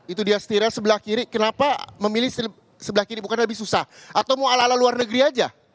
itu dia stirel sebelah kiri kenapa memilih sebelah kiri bukan lebih susah atau mau ala ala luar negeri aja